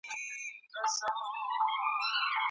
ولي د لري واټن زده کړه د حضوري ټولګیو څخه جلا ده؟